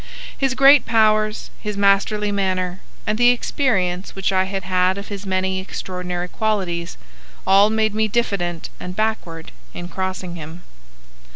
His great powers, his masterly manner, and the experience which I had had of his many extraordinary qualities, all made me diffident and backward in crossing him.